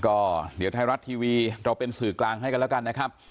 ก็เดี๋ยวไทยรัฐทีวีเราเป็นสื่อกลางให้กันแล้วกันนะครับ